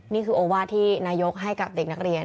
นี่คือโอวาสที่นายกให้กับเด็กนักเรียน